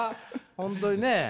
本当にね。